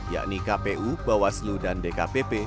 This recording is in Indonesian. yakni kpu bawaslu dan dkpp